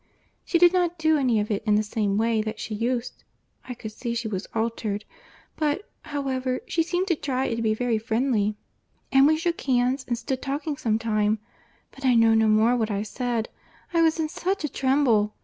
She did not do any of it in the same way that she used; I could see she was altered; but, however, she seemed to try to be very friendly, and we shook hands, and stood talking some time; but I know no more what I said—I was in such a tremble!